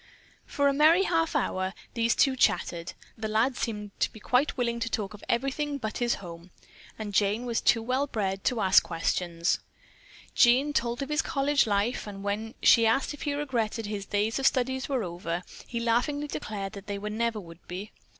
For a merry half hour these two chattered. The lad seemed to be quite willing to talk of everything but his home, and Jane was too well bred to ask questions. Jean told of his college life, and when she asked if he regretted that his days of study were over, he laughingly declared that they never would be. "Mr.